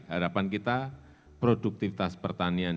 harapan kita produktivitas pertanian